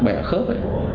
bẻ khớp ấy